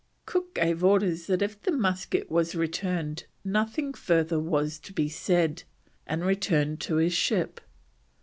Cook gave orders that if the musket was returned nothing further was to be said, and returned to his ship.